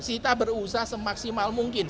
kita berusaha semaksimal mungkin